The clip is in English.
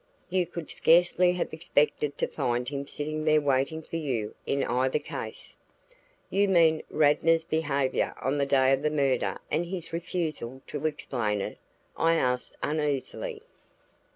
You could scarcely have expected to find him sitting there waiting for you, in either case." "You mean Radnor's behavior on the day of the murder and his refusal to explain it?" I asked uneasily.